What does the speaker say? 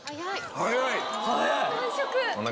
早い！